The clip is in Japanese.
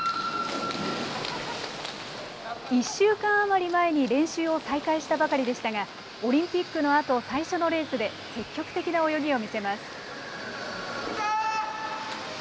１週間余り前に練習を再開したばかりでしたが、オリンピックのあと最初のレースで、積極的な泳ぎを見せます。